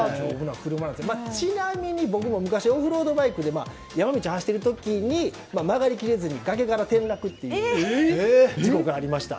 ちなみに僕も昔にオフロードバイクで山道を走っている時に曲がり切れずに崖から転落っていう事故がありました。